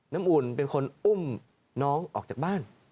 น้ำอุ่นเป็นคนอุ้มน้องออกจากบ้าน